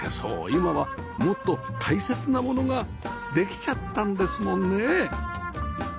今はもっと大切なものができちゃったんですもんねえ